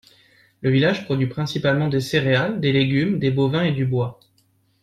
Le village produit principalement des céréales, des légumes, des bovins et du bois.